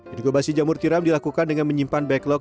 inkubasi jamur tiram dilakukan dengan menyimpan backlog